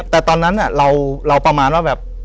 แต่ตอนนั้นเราประมาณว่าแบบ